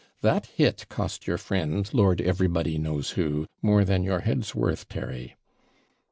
That hit cost your friend, Lord everybody knows who, more than your head's worth, Terry.'